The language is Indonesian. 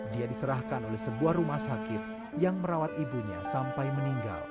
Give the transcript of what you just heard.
dia diserahkan oleh sebuah rumah sakit yang merawat ibunya sampai meninggal